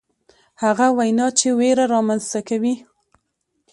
هغه وینا چې ویره رامنځته کوي.